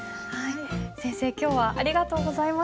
先生今日はありがとうございました。